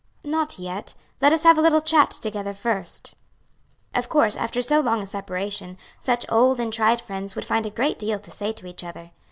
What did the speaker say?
"Not yet; let us have a little chat together first." Of course, after so long a separation, such old and tried friends would find a great deal to say to each other.